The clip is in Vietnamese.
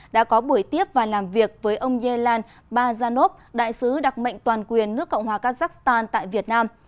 đã có buổi tiếp và làm việc với ông yelan bajanov đại sứ đặc mệnh toàn quyền nước cộng hòa kazakhstan tại việt nam